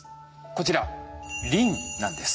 こちらリンなんです。